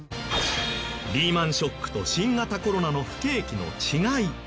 リーマンショックと新型コロナの不景気の違い。